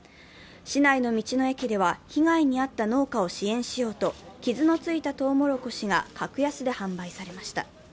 市内の道の駅では被害に遭った農家を支援しようと傷のついたとうもろこしが格安で販売されました。